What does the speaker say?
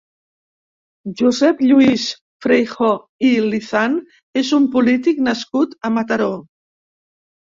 Josep Lluís Freijo i Lizan és un polític nascut a Mataró.